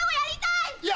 いや